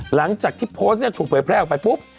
หลังจากที่โพสต์เนี่ยถูกเผยแพร่ออกไปปุ๊บ